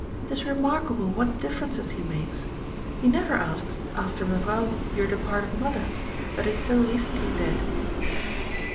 It is remarkable what differences he makes. He never asks after Mevrouw your departed mother, that is so recently dead."